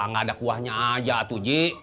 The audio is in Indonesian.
gak ada kuahnya aja atu dih